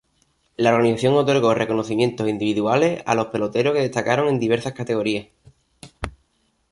La organización otorgó reconocimientos individuales a los peloteros que destacaron en diversas categorías.